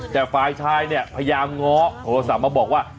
แต่ฝ่ายชายเนี่ยพยายามง้อโทรศัพท์มาบอกว่า